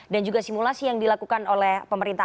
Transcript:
juga simulasi yang dilakukan oleh pemerintah